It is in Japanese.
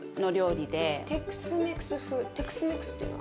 テクスメクスっていうのは？